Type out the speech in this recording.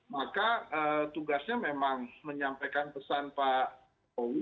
maka tugasnya memang menyampaikan pesan pak jokowi